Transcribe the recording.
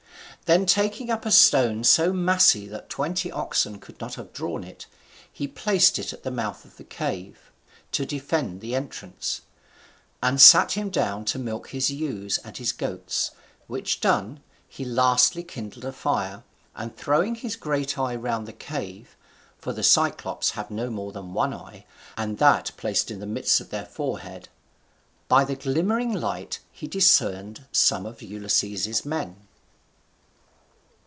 Then taking up a stone so massy that twenty oxen could not have drawn it, he placed it at the mouth of the cave, to defend the entrance, and sat him down to milk his ewes and his goats; which done, he lastly kindled a fire, and throwing his great eye round the cave (for the Cyclops have no more than one eye, and that placed in the midst of their forehead), by the glimmering light he discerned some of Ulysses's men.